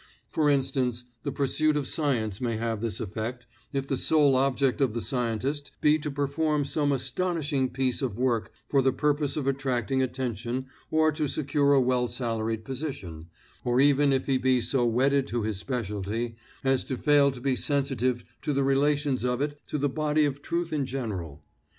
For instance, the pursuit of science may have this effect, if the sole object of the scientist be to perform some astonishing piece of work for the purpose of attracting attention or to secure a well salaried position, or even if he be so wedded to his specialty as to fail to be sensitive to the relations of it to the body of truth in general.